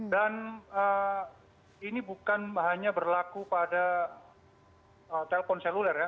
dan ini bukan hanya berlaku pada telpon seluler ya